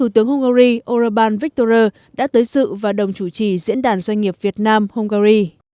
tổng bí thư nguyễn phú trọng đã tới sự và đồng chủ trì diễn đàn doanh nghiệp việt nam hungary